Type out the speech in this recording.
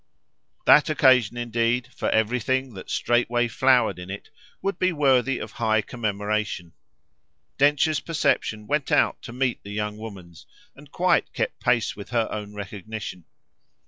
That occasion indeed, for everything that straightway flowered in it, would be worthy of high commemoration; Densher's perception went out to meet the young woman's and quite kept pace with her own recognition.